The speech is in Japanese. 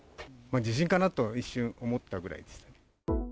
地震かなと一瞬、思ったぐらいです。